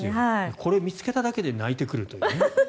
これを見つけただけで泣いてくるというね。